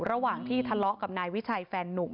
ระหว่างที่ทะเลาะกับนายวิชัยแฟนนุ่ม